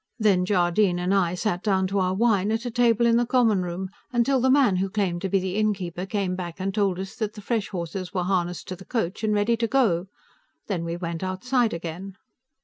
Then Jardine and I sat down to our wine, at a table in the common room, until the man who claimed to be the innkeeper came back and told us that the fresh horses were harnessed to the coach and ready to go. Then we went outside again.